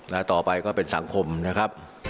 และต่อไปก็เป็นสังคมนะครับ